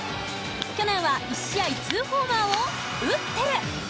去年は１試合２ホーマーを打っテル。